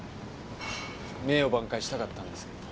名誉挽回したかったんですけど。